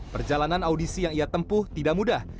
perjalanan audisi yang ia tempuh tidak mudah